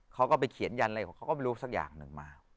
เขาก็ไปเขียนยันอะไรของเขาก็ไม่รู้สักอย่างหนึ่งมา